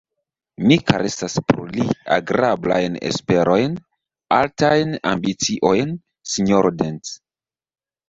Mi karesas pro li agrablajn esperojn, altajn ambiciojn, sinjoro Dent.